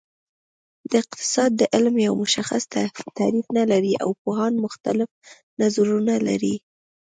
د اقتصاد علم یو مشخص تعریف نلري او پوهان مختلف نظرونه لري